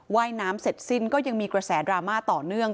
ว่ายน้ำเสร็จสิ้นก็ยังมีกระแสดราม่าต่อเนื่อง